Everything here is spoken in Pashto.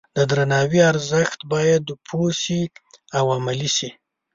د درناوي ارزښت باید پوه شي او عملي شي.